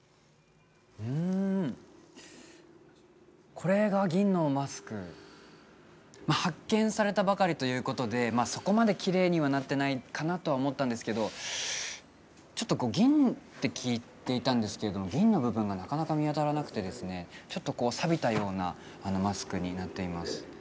うんこれが銀のマスク発見されたばかりということでそこまでキレイにはなってないかなとは思ったんですけどちょっと銀って聞いていたんですけど銀の部分がなかなか見当たらなくてですねちょっと錆びたようなマスクになっています